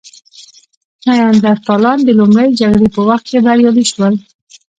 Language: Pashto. نیاندرتالان د لومړۍ جګړې په وخت کې بریالي شول.